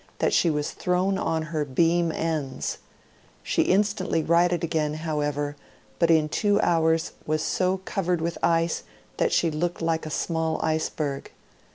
that she was thrown on her beam ends; she instantly righted again, however, but in two hours Avas so covered with ice that she looked like a small ice berg.